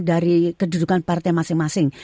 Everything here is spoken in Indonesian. dari kedudukan partai masing masing